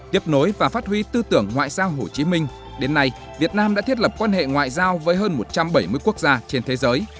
tiếp nối và phát huy tư tưởng ngoại giao hồ chí minh đến nay việt nam đã thiết lập quan hệ ngoại giao với hơn một trăm bảy mươi quốc gia trên thế giới